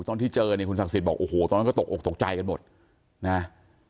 ตอนที่เจอเนี่ยคุณศักดิ์สิทธิ์บอกโอ้โหตอนนั้นก็ตกออกตกใจกันหมดนะ